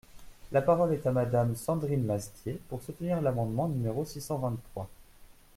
La parole est à Madame Sandrine Mazetier, pour soutenir l’amendement numéro six cent vingt-trois.